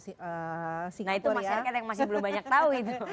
singa itu masyarakat yang masih belum banyak tahu itu